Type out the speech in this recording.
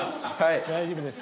大丈夫です。